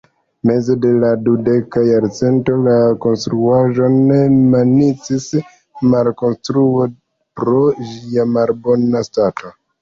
Meze de la dudeka jarcento la konstruaĵon minacis malkonstruo pro ĝia malbona stato.